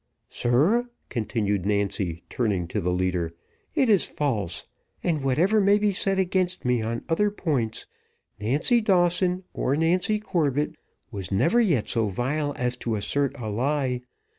Sir," continued Nancy, turning to the leader, "it is false, and whatever may be said against me on other points, Nancy Dawson, or Nancy Corbett, was never yet so vile as to assert a lie.